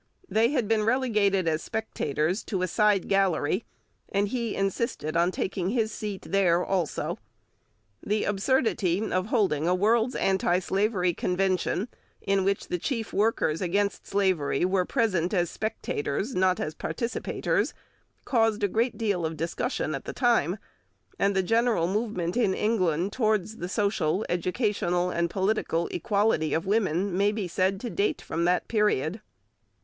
They had been relegated as spectators to a side gallery, and he insisted on taking his seat there also. The absurdity of holding a World's Anti Slavery Convention in which the chief workers against slavery were present as spectators, not as participators, caused a great deal of discussion at the time; and the general movement in England towards the social, educational, and political equality of women may be said to date from that period.